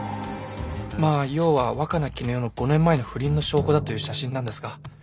まあ要は若菜絹代の５年前の不倫の証拠だという写真なんですが。